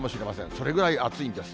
それぐらい暑いんです。